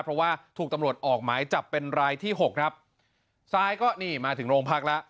เพราะว่าถูกตำรวจออกหมายจับเป็นรายที่หกครับซ้ายก็นี่มาถึงโรงพักแล้ว